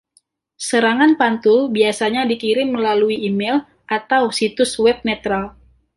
Serangan pantul biasanya dikirim melalui email atau situs web netral.